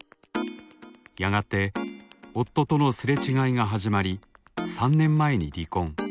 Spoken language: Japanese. やがて夫との擦れ違いが始まり３年前に離婚。